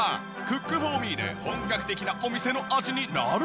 クックフォーミーで本格的なお店の味になるのか？